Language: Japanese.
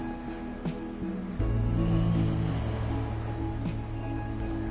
うん。